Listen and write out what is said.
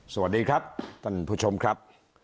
สวัสดีครับท่านผู้ชมครับ